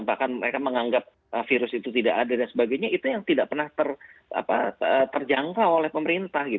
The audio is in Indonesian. bahkan mereka menganggap virus itu tidak ada dan sebagainya itu yang tidak pernah terjangkau oleh pemerintah